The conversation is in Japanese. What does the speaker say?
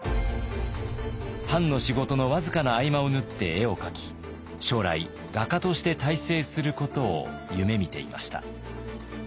藩の仕事の僅かな合間を縫って絵を描き将来画家として大成することを夢みていました。